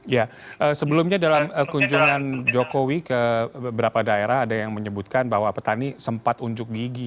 ya sebelumnya dalam kunjungan jokowi ke beberapa daerah ada yang menyebutkan bahwa petani sempat unjuk gigi